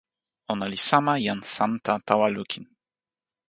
ona li sama jan Santa tawa lukin.